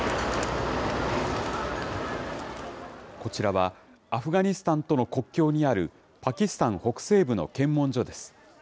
こちらは、アフガニスタンとの国境にある、パキスタン北西部の検問所です。